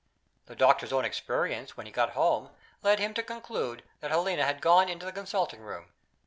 The doctor's own experience, when he got home, led him to conclude that Helena had gone into the consulting room.